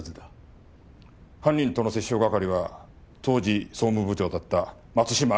犯人との折衝係は当時総務部長だった松島明。